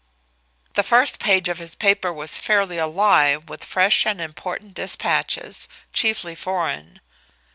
The first page of his paper was fairly alive with fresh and important dispatches, chiefly foreign.